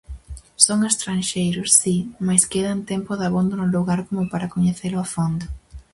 Son estranxeiros, si, mais quedan tempo dabondo no lugar como para coñecelo a fondo.